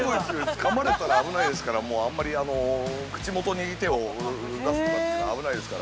かまれたら危ないですからあんまり口元に手を出すとかってのは危ないですから。